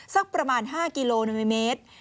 สักประมาณ๕กิโลเมตร